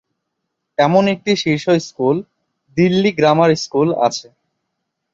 এমন একটি শীর্ষ স্কুল 'দিল্লি গ্রামার স্কুল' আছে।